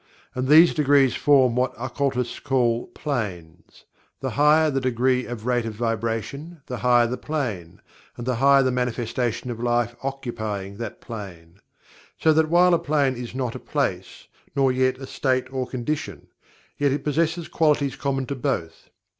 And these degrees form what occultists call "Planes" The higher the degree of rate of vibration, the higher the plane, and the higher the manifestation of Life occupying that plane. So that while a plane is not "a place," nor yet "a state or condition," yet it possesses qualities common to both.